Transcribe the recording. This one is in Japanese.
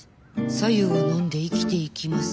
白湯を飲んで生きていきます。